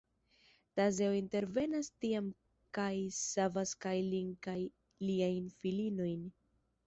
Tezeo intervenas tiam kaj savas kaj lin kaj liajn filinojn.